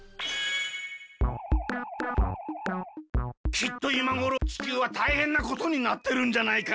きっといまごろちきゅうはたいへんなことになってるんじゃないか？